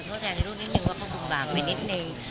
ขอโทษแทงลูกนึกว่าเขาผินบังไปนิดนึง